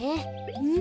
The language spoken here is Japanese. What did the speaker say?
うん？